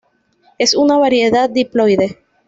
Es una Variedad diploide.